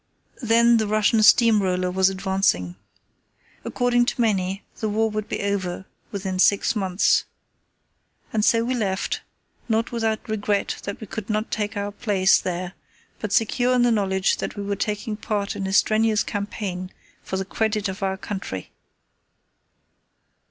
Then the Russian Steam Roller was advancing. According to many the war would be over within six months. And so we left, not without regret that we could not take our place there, but secure in the knowledge that we were taking part in a strenuous campaign for the credit of our country.